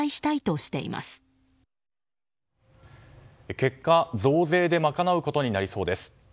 結果、増税で賄うことになりそうです。